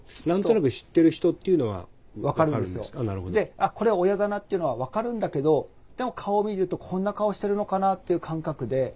あっこれは親だなっていうのは分かるんだけどでも顔見るとこんな顔してるのかなっていう感覚で。